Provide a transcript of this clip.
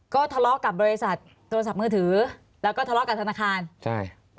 ก็ทะเลาะกับบริษัทโทรศัพท์มือถือแล้วก็ทะเลาะกับธนาคารใช่